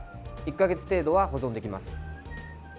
１か月程度は保存できます。